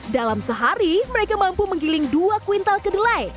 dalam sehari mereka mampu menggiling dua kuintal kedelai